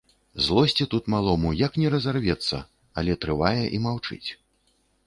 Злосці тут малому, як не разарвецца, але трывае і маўчыць.